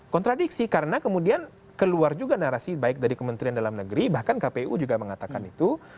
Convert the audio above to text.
kontradiksi karena kemudian keluar juga narasi baik dari kementerian dalam negeri bahkan kpu juga mengatakan itu